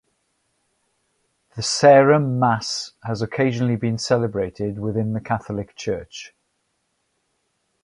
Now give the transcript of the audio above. The Sarum Mass has occasionally been celebrated within the Catholic Church.